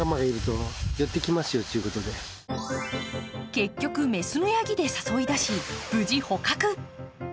結局、雌のやぎで誘い出し、無事捕獲。